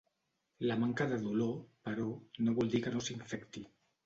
La manca de dolor, però, no vol dir que no s'infecti.